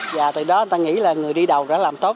và từ đó ta nghĩ là người đi đầu đã làm tốt